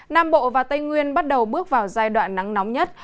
nam bộ và tây nguyên bắt đầu bước vào giai đoạn nắng nóng nhất